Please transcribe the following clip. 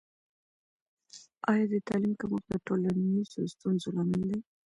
آیا د تعلیم کمښت د ټولنیزو ستونزو لامل دی؟